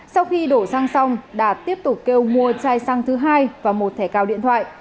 sau khi đổ xăng xong đạt tiếp tục kêu mua chai xăng thứ hai và một thẻ cào điện thoại